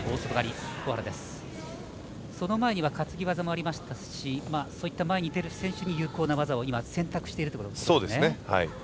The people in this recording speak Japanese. その前には担ぎ技もありましたしそういった前に出る選手に有効な技を選択しているということですね。